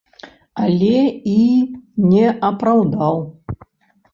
Але і не апраўдаў.